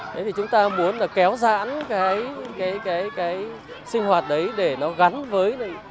thế thì chúng ta muốn là kéo dãn cái sinh hoạt đấy để nó gắn với